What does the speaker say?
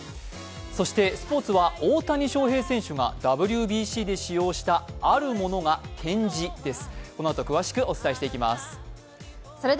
そしてスポーツは大谷翔平選手がＷＢＣで使用したあるものが展示です